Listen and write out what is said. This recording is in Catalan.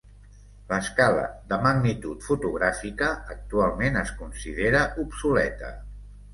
L'escala de magnitud fotogràfica actualment es considera obsoleta.